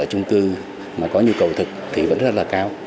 trung cư mà có nhu cầu thực thì vẫn rất là cao